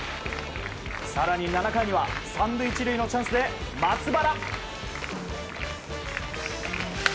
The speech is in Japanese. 更に７回には３塁１塁のチャンスで松原。